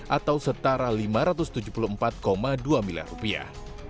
atau setara lima ratus tujuh puluh empat dua miliar rupiah